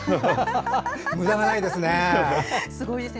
むだがないですね。